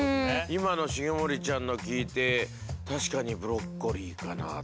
今の重盛ちゃんの聞いて確かにブロッコリーかなと。